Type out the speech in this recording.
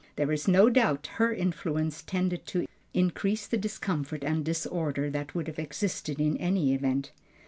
There is no doubt her influence tended to increase the discomfort and disorder that would have existed in any event.